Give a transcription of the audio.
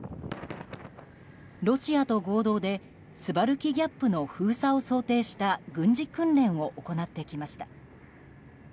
ロシアと合同でスバルキ・ギャップの封鎖を想定した軍事訓練を行ってきました。